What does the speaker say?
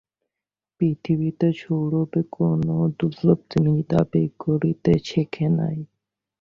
পৃথিবীতে সৌরভী কোনো দুর্লভ জিনিস দাবি করিতে শেখে নাই।